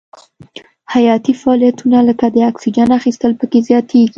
حیاتي فعالیتونه لکه د اکسیجن اخیستل پکې زیاتیږي.